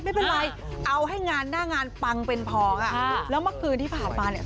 ไม่เป็นไรเอาให้งานหน้างานปังเป็นพองอ่ะแล้วเมื่อคืนที่ผ่านมาเนี่ย